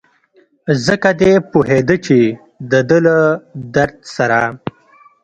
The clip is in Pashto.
ځکه دی پوهېده چې دده له درد سره.